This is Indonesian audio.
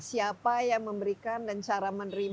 siapa yang memberikan dan cara menerima